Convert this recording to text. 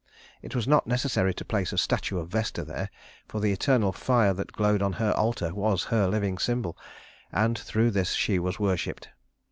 It was not necessary to place a statue of Vesta here, for the eternal fire that glowed on her altar was her living symbol, and through this she was worshiped.